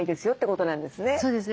そうですね。